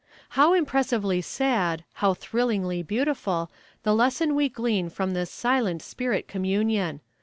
"How impressively sad, how thrillingly beautiful, the lesson we glean from this silent spirit communion!